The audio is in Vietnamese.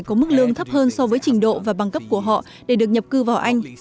có mức lương thấp hơn so với trình độ và băng cấp của họ để được nhập cư vào anh